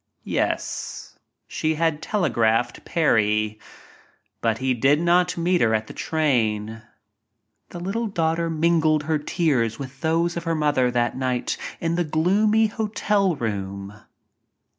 Yes, she had telegraphed Parry — but he did not meet her at the train. The little daughter mingled her tears with those of her mother that night in the gloomy hotel room.